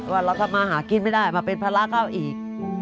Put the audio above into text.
ว่าเราทำมาหากินไม่ได้มาเป็นภาระเขาอีก